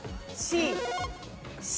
Ｃ。